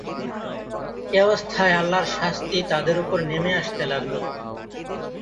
এ অবস্থায় আল্লাহর শাস্তি তাদের ওপর নেমে আসতে লাগল।